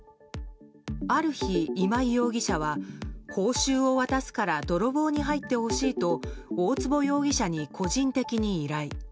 ある日、今井容疑者は報酬を渡すから泥棒に入ってほしいと大坪容疑者に個人的に依頼。